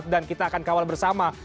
dan kita akan kawal bersama